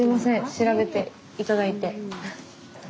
調べて頂いて。